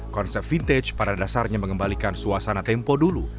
konsep vintage pada dasarnya mengembalikan suasana tempo dulu